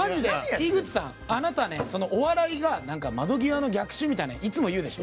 井口さん、あなたねお笑いが、窓際の逆襲みたいにいつも言うでしょ。